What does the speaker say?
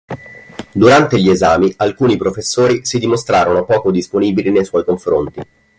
Durante gli esami alcuni professori si dimostrarono poco disponibili nei suoi confronti.